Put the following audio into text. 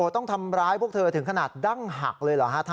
ต้องทำร้ายพวกเธอถึงขนาดดั้งหักเลยเหรอฮะ